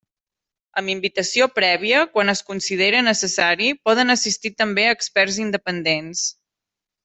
Amb invitació prèvia, quan es considere necessari, poden assistir també experts independents.